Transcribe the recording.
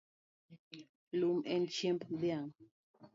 Lum en chiemb dhiang’